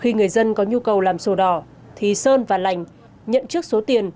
khi người dân có nhu cầu làm sổ đỏ thì sơn và lành nhận trước số tiền